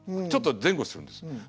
ちょっと前後するんですよ。